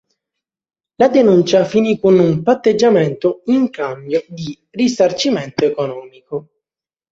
La denuncia finì con un patteggiamento in cambio di risarcimento economico.